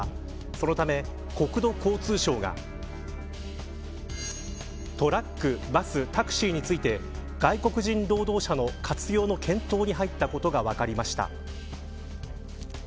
そのため国土交通省がトラック、バスタクシーについて外国人労働者の活用の検討に入ったことが分かりました。